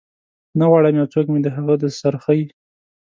نه غواړم یو څوک مې د هغه د سرخۍ